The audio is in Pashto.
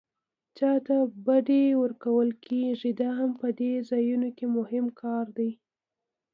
چاته بډې ورکول کېږي دا هم په دې ځایونو کې مهم کار دی.